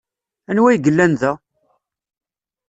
Anwa ay yellan da?